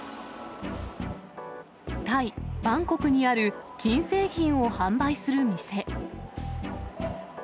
タイ・バンコクにある、金製品を販売する店。